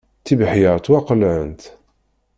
Tibeḥyar ttwaqelɛent.